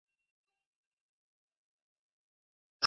康熙五十六年丁酉科顺天乡试解元。